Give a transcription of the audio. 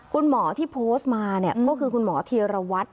คุณหมอที่โพสต์มาก็คือคุณหมอเทียรวัตร